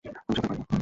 আমি সাঁতার পারি না!